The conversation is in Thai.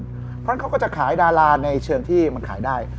เพราะฉะนั้นเขาก็จะขายดาราในเชิงที่มันขายได้